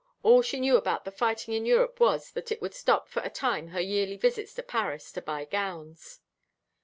All she knew about the fighting in Europe was, that it would stop, for a time, her yearly visits to Paris to buy gowns.